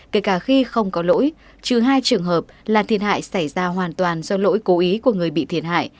kể cả khi không có lỗi trừ hai trường hợp là thiệt hại xảy ra hoàn toàn do lỗi cố ý của người bị thiệt hại